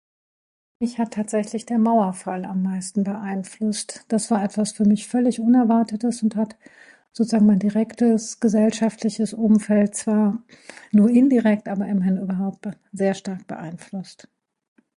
Mich hat tatsächlich der Mauerfall am meisten beeinflusst das war etwas für mich völlig unerwartetes und hat sozusagen mein direktes gesellschaftliches Umfeld zwar nur indirekt aber immerhin überhaupt sehr stark beeinflusst.